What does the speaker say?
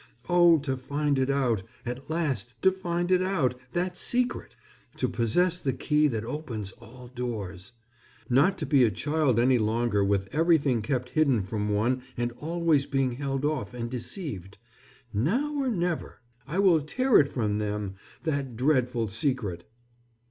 Oh, to find it out, at last to find it out, that secret! To possess the key that opens all doors! Not to be a child any longer with everything kept hidden from one and always being held off and deceived. Now or never! I will tear it from them, that dreadful secret!"